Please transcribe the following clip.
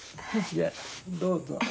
じゃどうぞ。